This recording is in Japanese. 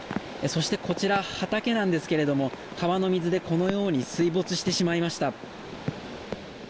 そしてこちら、畑なんですけども川の水でこのように水没してしまいました。